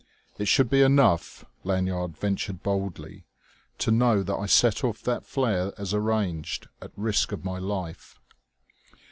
"It should be enough," Lanyard ventured boldly, "to know that I set off that flare as arranged, at risk of my life."